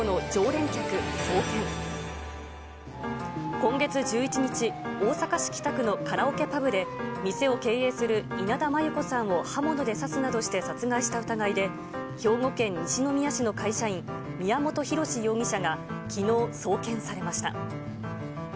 今月１１日、大阪市北区のカラオケパブで、店を経営する稲田真優子さんを刃物で刺すなどして殺害した疑いで、兵庫県西宮市の会社員、宮本浩志容疑者がきのう送検されました。